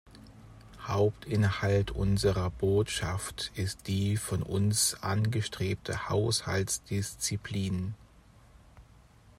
Hauptinhalt unserer Botschaft ist die von uns angestrebte Haushaltsdisziplin.